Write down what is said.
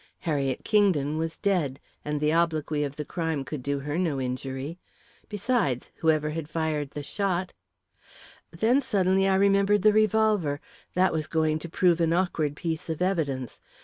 Harriet Kingdon was dead, and the obloquy of the crime could do her no injury. Besides, whoever had fired the shot Then, suddenly, I remembered the revolver. That was going to prove an awkward piece of evidence.